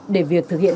để việc thực hiện